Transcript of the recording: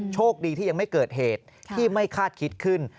โชคดีที่ยังไม่เกิดเหตุที่ไม่คาดคิดขึ้น